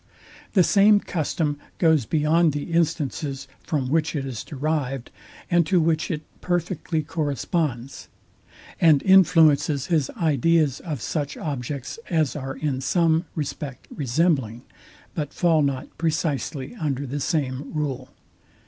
The same custom goes beyond the instances, from which it is derived, and to which it perfectly corresponds; and influences his ideas of such objects as are in some respect resembling, but fall not precisely under the same rule.